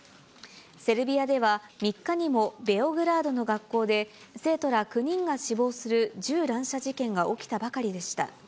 セルビアでは３日にもベオグラードの学校で、生徒ら９人が死亡する銃乱射事件が起きたばかりでした。